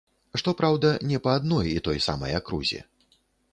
Што праўда, не па адной і той самай акрузе.